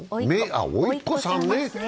おいっ子さんね。